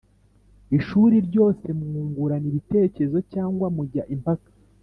ishuri ryose mwungurana ibitekerezo cyangwa mujya impaka